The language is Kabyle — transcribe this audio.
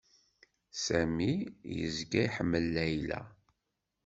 Sami yezga iḥemmel Layla.